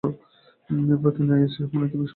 এরফলে তিনি আইওসি’র সম্মানীয় সভাপতি মনোনীত হন।